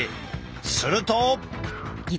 すると。